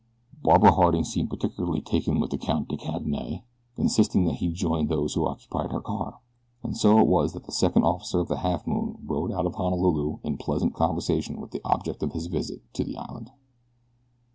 Barbara Harding seemed particularly taken with the Count de Cadenet, insisting that he join those who occupied her car, and so it was that the second officer of the Halfmoon rode out of Honolulu in pleasant conversation with the object of his visit to the island.